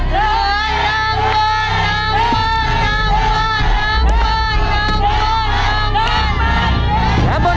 น้ำมันน้ำมันน้ำมัน